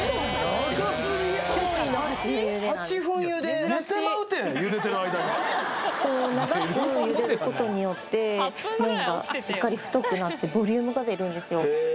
長すぎ８分茹で寝てまうて茹でてる間に長く茹でることによって麺がしっかり太くなってボリュームが出るんですよへえ